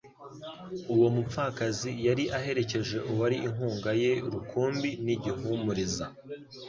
Uwo mupfakazi yari aherekeje uwari inkunga ye rukumbi n'igihumuriza,